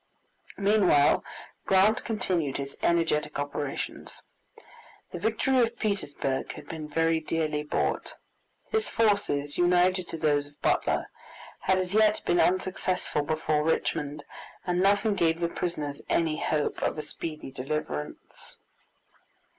Meanwhile Grant continued his energetic operations. The victory of Petersburg had been very dearly bought. His forces, united to those of Butler, had as yet been unsuccessful before Richmond, and nothing gave the prisoners any hope of a speedy deliverance.